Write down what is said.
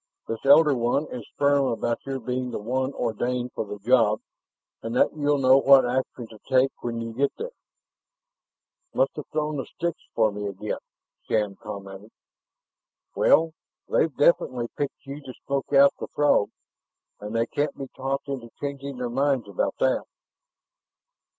This Elder One is firm about your being the one ordained for the job, and that you'll know what action to take when you get there." "Must have thrown the sticks for me again," Shann commented. "Well, they've definitely picked you to smoke out the Throg, and they can't be talked into changing their minds about that."